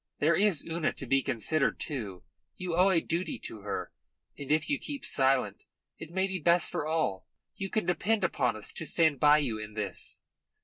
There is Una to be considered, too. You owe a duty to her, and if you keep silent it may be best for all. You can depend upon us to stand by you in this."